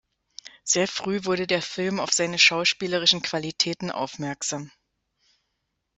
Sehr früh wurde der Film auf seine schauspielerischen Qualitäten aufmerksam.